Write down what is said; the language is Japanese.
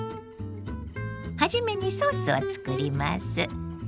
初めにソースを作ります。